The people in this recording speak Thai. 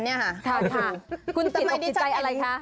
ค่ะคุณติดออกจิตใจอะไรคะ